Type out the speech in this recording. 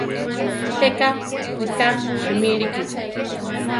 Jéka riká simíliki.